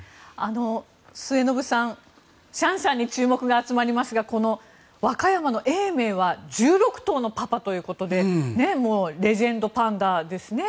末延さん、シャンシャンに注目が集まりますが和歌山の永明は１６頭のパパということでもうレジェンドパンダですね。